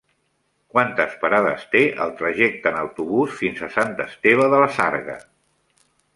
Quantes parades té el trajecte en autobús fins a Sant Esteve de la Sarga?